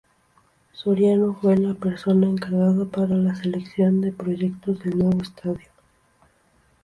Soriano fue la persona encargada para la selección de proyectos del nuevo estadio.